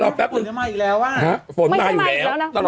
เดี๋ยวรอแป๊บหนึ่งฝนก็มาอีกแล้วอ่ะฝนมาอยู่แล้ว